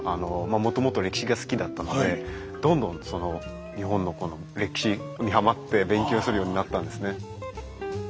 もともと歴史が好きだったのでどんどんその日本のこの歴史にはまって勉強するようになったんですね。